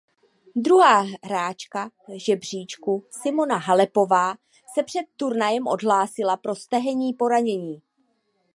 Druhá hráčka žebříčku Simona Halepová se před turnajem odhlásila pro stehenní poranění.